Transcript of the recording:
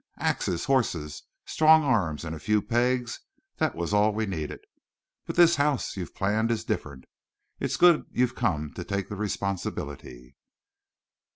Axes, horses, strong arms, and a few pegs—that was all we needed. But this house you've planned is different. It's good you've come to take the responsibility."